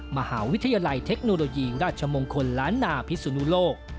มหาวิทยาลัยเทคโนโลยีราชมงคลล้านนาพิสุนุโลก